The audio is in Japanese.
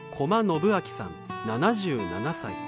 信明さん７７歳。